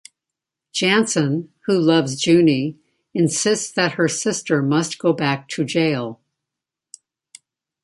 Jansen, who loves June, insists that her sister must go back to jail.